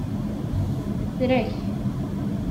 Tra-k!